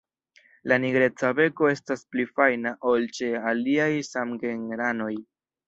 La nigreca beko estas pli fajna ol ĉe aliaj samgenranoj.